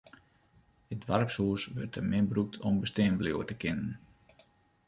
It doarpshûs wurdt te min brûkt om bestean bliuwe te kinnen.